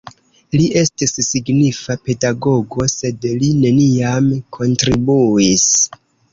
Li estis signifa pedagogo, sed li neniam kontribuis.